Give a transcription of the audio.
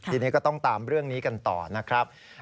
ทีนี้ก็ต้องตามเรื่องนี้กันต่อนะครับ